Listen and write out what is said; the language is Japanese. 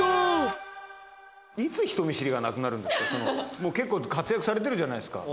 もう結構活躍されてるじゃないですか。